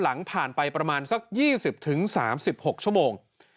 หลังผ่านไปประมาณสัก๒๐๓๖ชั่วโมง